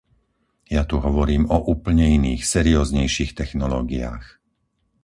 Ja tu hovorím o úplne iných, serióznejších technológiách.